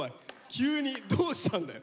急にどうしたんだよ。